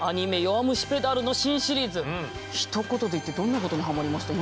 「弱虫ペダル」の新シリーズ。ひと言で言ってどんなことにハマりました？